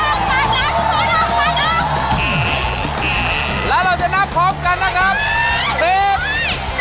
เอาออกแม็กซ์ปาดหน้าปาดหน้าทุกคนออกปาดออก